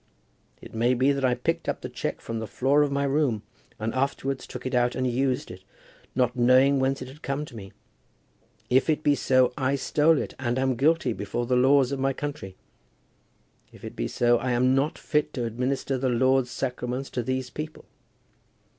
It may be that I picked up the cheque from the floor of my room, and afterwards took it out and used it, not knowing whence it had come to me. If it be so, I stole it, and am guilty before the laws of my country. If it be so, I am not fit to administer the Lord's sacraments to these people.